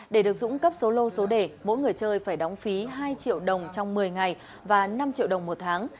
để được dũng cấp số lô số đề mỗi người chơi phải đóng phí hai triệu đồng trong một mươi ngày và năm triệu đồng một tháng